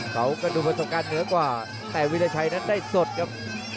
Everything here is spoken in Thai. เขาก็ดูประสบการณ์เหนือกว่าแต่วิราชัยนั้นได้สดครับ